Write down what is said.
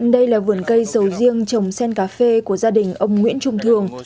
đây là vườn cây sầu riêng trồng sen cà phê của gia đình ông nguyễn trung thường